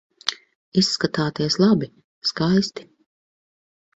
Izskatāties labi, skaisti.